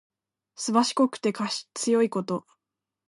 すばしこくて強いこと。